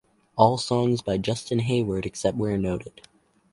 All songs by Justin Hayward except where noted.